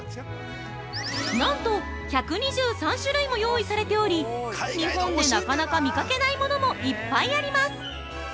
なんと１２３種類も用意されており日本でなかなか見かけないものもいっぱいあります。